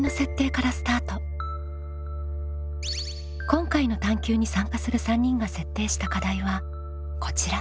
今回の探究に参加する３人が設定した課題はこちら。